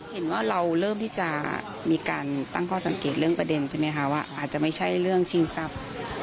เห็นว่าเราเริ่มที่จะมีการตั้งข้อสังเกตเรื่องประเด็นใช่ไหมคะว่าอาจจะไม่ใช่เรื่องชิงทรัพย์